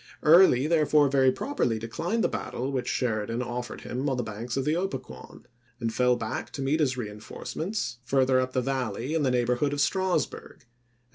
Early therefore very properly declined the battle which Sheridan offered him on the banks of the Opequon, and fell back to meet his reinforcements further up the SHERIDAN IN THE SHENANDOAH 293 Valley in the neighborhood of Strasburg ; and ch.